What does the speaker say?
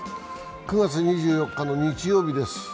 ９月２４日の日曜日です。